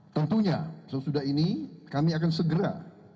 tentunya sesudah ini kami akan segera